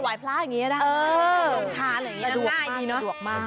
สวายพระอย่างนี้นะเออดวกทานอย่างนี้นะง่ายดีเนอะดวกมาก